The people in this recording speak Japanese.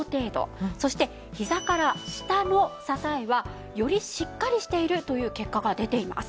そしてひざから下の支えはよりしっかりしているという結果が出ています。